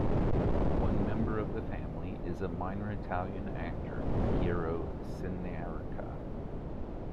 One member of the family is the minor Italian actor Piero Senarica.